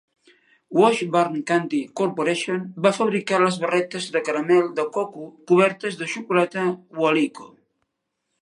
Washburn Candy Corporation va fabricar les barretes de caramel de coco cobertes de xocolata Waleeco.